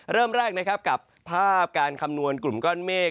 เริ่มแรกนะครับกับภาพการคำนวณกลุ่มก้อนเมฆ